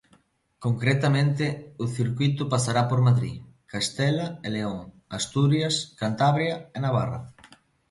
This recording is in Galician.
Concretamente, o circuíto pasará por Madrid, Castela e León, Asturias, Cantabria e Navarra.